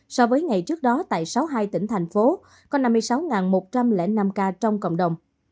so với ngày trước đó tại sáu mươi hai tỉnh thành phố có năm mươi sáu một trăm linh năm ca trong cộng đồng